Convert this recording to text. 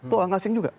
tuh anggasing juga